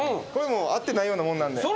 あってないようなもんなんで。